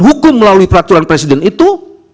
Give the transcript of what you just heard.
hukum melalui peraturan presiden itu